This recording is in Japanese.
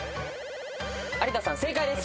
有田さん正解です。